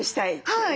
はい。